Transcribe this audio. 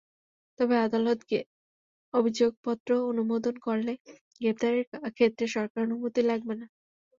তবে আদালত অভিযোগপত্র অনুমোদন করলে গ্রেপ্তারের ক্ষেত্রে সরকারের অনুমতি লাগবে না।